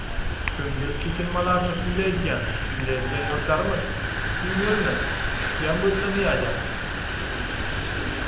ko‘ngil kechinmalarini kuylaydigan kuylaydigan yoshlarimiz shu yo‘lni tutishgan bo‘lsa, ne ajab!